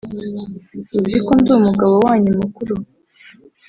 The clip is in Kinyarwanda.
uzi ko ndi umugabo wanyu mukuru